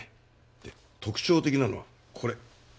で特徴的なのはこれ。